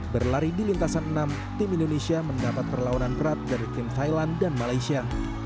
berlari di lintasan enam tim indonesia mendapat perlawanan berat dari tim thailand dan malaysia